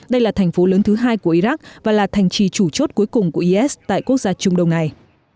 đây là thành phố lớn thứ hai của iraq và là thành trì chủ chốt cuối cùng của is tại quốc gia trung đông này